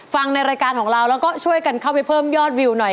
ในรายการของเราแล้วก็ช่วยกันเข้าไปเพิ่มยอดวิวหน่อย